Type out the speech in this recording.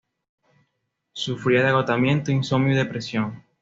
Sufría de agotamiento, insomnio y depresión.